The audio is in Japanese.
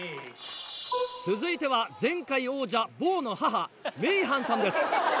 続いては前回王者ボウの母メイハンさんです。